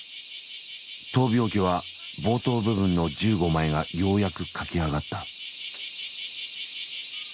闘病記は冒頭部分の１５枚がようやく書き上がった。